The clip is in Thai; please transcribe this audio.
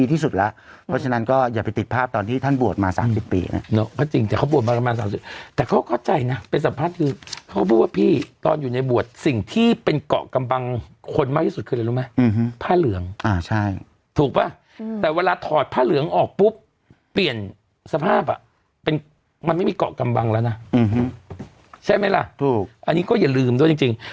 ถูกห้ามใกล้กันไม่ได้เพราะว่าใกล้กันปุ๊บเสร็จแล้ว